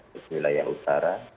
di wilayah utara